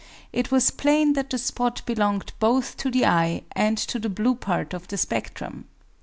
It was plain that the spot belonged both to the eye and to the blue part of the spectrum.